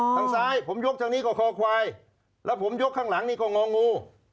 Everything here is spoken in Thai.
ทางซ้ายผมยกทางนี้ก็คอควายแล้วผมยกข้างหลังนี่ก็งองู